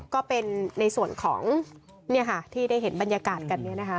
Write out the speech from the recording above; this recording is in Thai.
ก็เป็นในส่วนของที่ได้เห็นบรรยากาศกัน